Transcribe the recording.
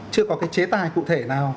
chưa có cái chế tài cụ thể nào